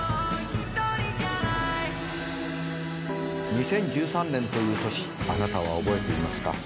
２０１３年という年あなたは覚えていますか？